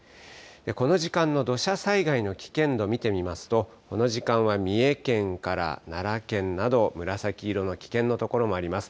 この時間の土砂災害の危険度見てみますと、この時間は三重県から奈良県など、紫色の危険な所もあります。